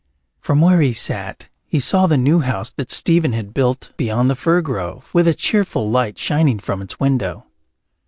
From where he sat he saw the new house that Stephen had built beyond the fir grove, with a cheerful light shining from its window.